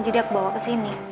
jadi aku bawa kesini